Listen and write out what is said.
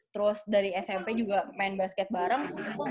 terus dari smp juga main basket bareng